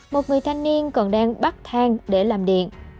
một người thanh niên còn đang bắt thang để làm điện